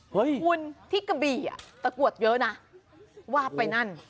เฮ้ยคุณที่กะบีกะกวดเยอะนะวาบไปนั่น